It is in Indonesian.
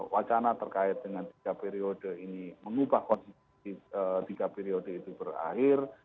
wacana terkait dengan tiga periode ini mengubah konstitusi tiga periode itu berakhir